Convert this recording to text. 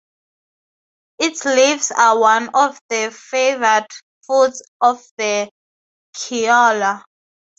Its leaves are one of the favoured foods of the koala.